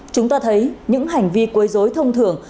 chúng ta thấy những hành vi quấy dối thông thường